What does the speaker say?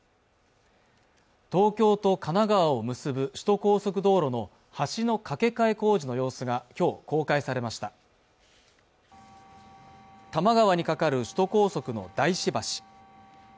東京と神奈川を結ぶ首都高速道路の橋の架け替え工事の様子がきょう公開されました多摩川に架かる首都高速の大師橋